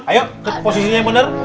ayo ke posisinya yang bener